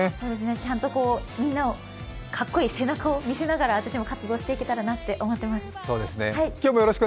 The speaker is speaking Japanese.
ちゃんとみんなにかっこいい背中を見せながら、私も活動していけたらなと思っています。